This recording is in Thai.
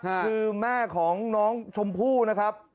คือแม่ของน้องชมพู่นะครับ